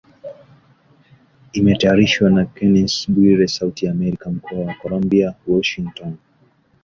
Imetayarishwa na Kennes Bwire, Sauti ya Amerika, Mkoa wa Colombia Washington.